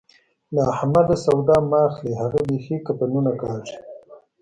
له احمده سودا مه اخلئ؛ هغه بېخي کفنونه کاږي.